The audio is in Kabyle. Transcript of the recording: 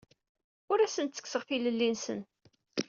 Ur asen-ttekkseɣ tilelli-nsen.